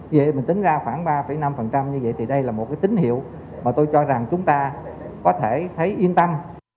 như vậy mình tính ra khoảng ba năm như vậy thì đây là một cái tín hiệu mà tôi cho rằng chúng ta có thể thấy yên tâm